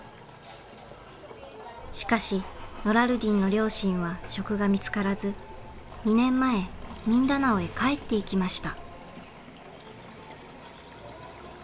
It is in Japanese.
しかしノラルディンの両親は職が見つからず２年前ミンダナオへ帰っていきました。